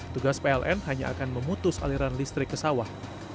tugas pln hanya akan memutus aliran listrik ke sawah